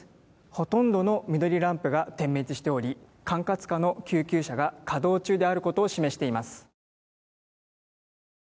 ほとんどの緑ランプが点滅しており管轄下の救急車が稼働中であることを示しています。